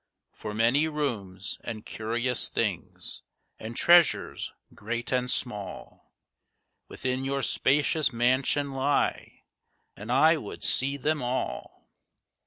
For many rooms, and curious things, and treasures great and small Within your spacious mansion lie, and I would see them all."